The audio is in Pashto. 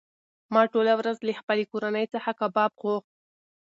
ما ټوله ورځ له خپلې کورنۍ څخه کباب غوښت.